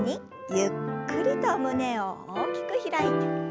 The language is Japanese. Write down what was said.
ゆっくりと胸を大きく開いて。